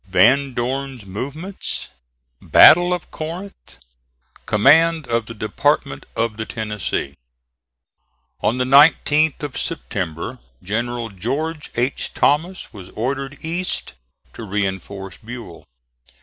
VAN DORN'S MOVEMENTS BATTLE OF CORINTH COMMAND OF THE DEPARTMENT OF THE TENNESSEE. On the 19th of September General Geo. H. Thomas was ordered east to reinforce Buell.